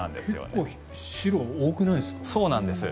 結構、白多くないですか？